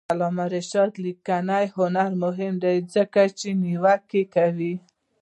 د علامه رشاد لیکنی هنر مهم دی ځکه چې نیوکه کوي.